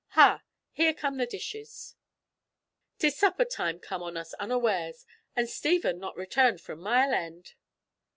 "Ha! here come the dishes! 'Tis supper time come on us unawares, and Stephen not returned from Mile End!"